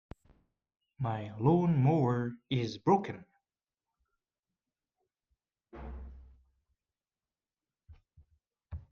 My lawn-mower is broken.